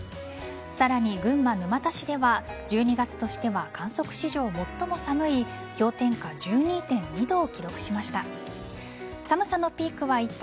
さらに、群馬の沼田市では１２月としては観測史上最も寒い氷点下１２．２度を記録しました。